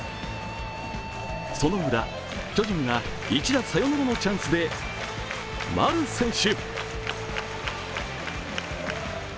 その裏、巨人は一打サヨナラのチャンスで、丸選手。